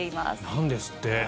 なんですって。